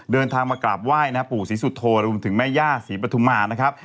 เดินทางมากราบไหว้นะครับปู่ศรีสุโธรวมถึงแม่ย่าศรีปฐุมานะครับ